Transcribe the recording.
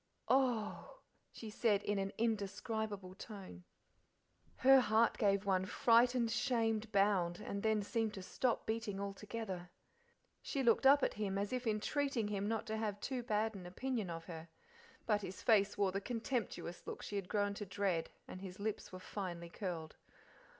"Oh!" she said, in an indescribable tone. Her heart gave one frightened, shamed bound, and then seemed to stop beating altogether. She looked up, at him as if entreating him not to have too bad an opinion of her; but his face wore the contemptuous look she had grown to dread and his lips were finely curled.